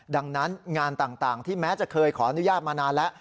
ดังนั้นงานต่างที่แม้จะเคยขออนุญาตมานานแล้ว